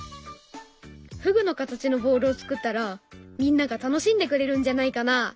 ふぐの形のボールを作ったらみんなが楽しんでくれるんじゃないかな？